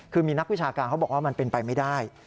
คือมีนักวิชาการเขาบอกว่ามันเป็นไปไม่ได้